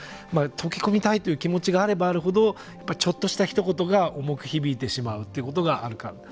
溶け込みたいという気持ちがあればあるほどちょっとしたひと言が重く響いてしまうということがあるなかと。